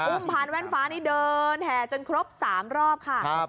พานแว่นฟ้านี่เดินแห่จนครบ๓รอบค่ะ